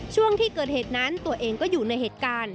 ช่วงที่เกิดเหตุนั้นตัวเองก็อยู่ในเหตุการณ์